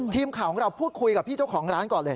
ทีมข่าวของเราพูดคุยกับพี่เจ้าของร้านก่อนเลย